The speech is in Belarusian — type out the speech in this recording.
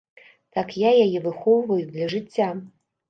Так я яе выхоўваю для жыцця.